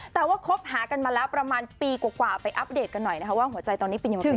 แต่ว่าคบหากันมาแล้วประมาณปีกว่าไปอัปเดตกันหน่อยนะคะว่าหัวใจตอนนี้เป็นยังไง